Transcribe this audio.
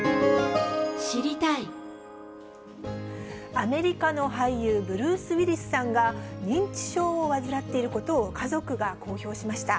アメリカの俳優、ブルース・ウィリスさんが認知症を患っていることを家族が公表しました。